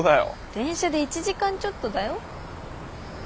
電車で１時間ちょっとだよ。